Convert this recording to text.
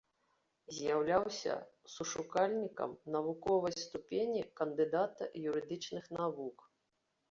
З'яўляўся сушукальнікам навуковай ступені кандыдата юрыдычных навук.